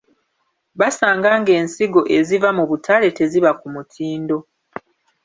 Basanga ng’ensigo eziva mu butale teziba ku mutindo.